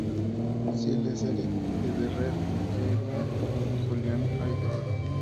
Sayles, Erik K. Reed, e Irwin y Julian Hayden.